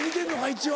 一応。